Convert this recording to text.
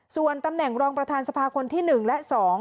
ส่วนตำแหน่งรองประธานสภาคนที่๑และ๒